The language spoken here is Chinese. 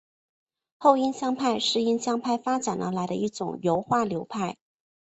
后印象派是印象派发展而来的一种油画流派。